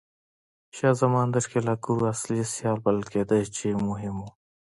شاه زمان د ښکېلاګرانو اصلي سیال بلل کېده چې مهم و.